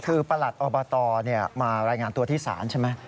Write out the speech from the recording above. คือประหลัดอบตมารายงานตัวที่ศาลใช่ไหม